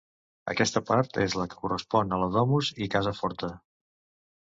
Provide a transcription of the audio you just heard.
Aquesta part és la que correspon a la domus i casa forta.